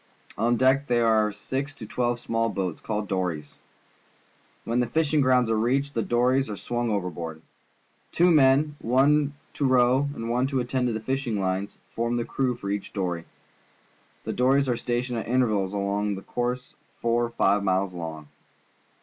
On deck there are six to twelve small boats, called dories. T^Tien the fishing grounds are reached, the dories are swung overboard. Two men. one to row and one to attend to the fishing lines, form the crew for each dory. The dories are stationed at intervals along a course four or five miles long.